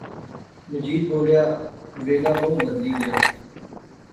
مجید بولیا ویلا بہوں بدلی گیا